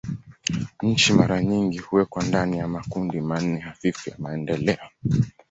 Nchi mara nyingi huwekwa ndani ya makundi manne hafifu ya maendeleo.